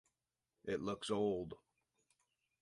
It looks old.